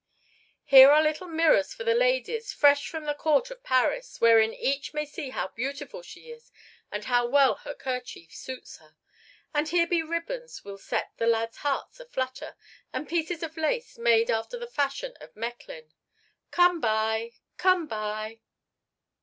"Here are little mirrors for the ladies, fresh from the court of Paris, wherein each may see how beautiful she is and how well her kerchief suits her. And here be ribbands will set the lads' hearts aflutter, and pieces of lace made after the fashion of Mechlin. Come buy, come buy!